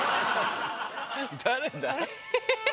誰だ？